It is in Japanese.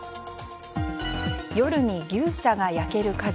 夜に牛舎が焼ける火事。